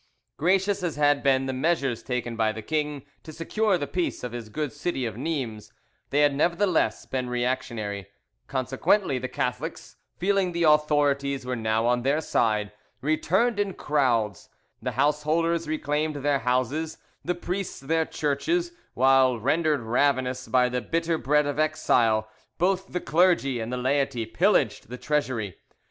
Gracious as had been the measures taken by the king to secure the peace of his good city of Nimes, they had nevertheless been reactionary; consequently the Catholics, feeling the authorities were now on their side, returned in crowds: the householders reclaimed their houses, the priests their churches; while, rendered ravenous by the bitter bread of exile, both the clergy and the laity pillaged the treasury.